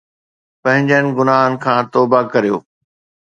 پنھنجن گناھن کان توبه ڪريو